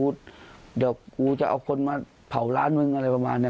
เดี๋ยวกูจะเอาคนมาเผาร้านมึงอะไรประมาณนี้